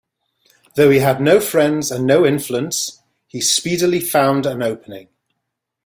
Though he had no friends and no influence, he speedily found an opening.